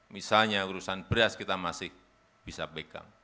misalnya urusan beras kita masih bisa pegang